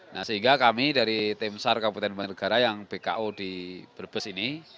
nah sehingga kami dari tim sar kabupaten banjarnegara yang bko di brebes ini